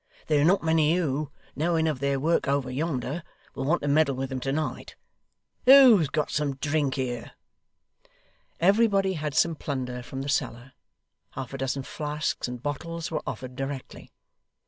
'There are not many who, knowing of their work over yonder, will want to meddle with 'em to night. Who's got some drink here?' Everybody had some plunder from the cellar; half a dozen flasks and bottles were offered directly.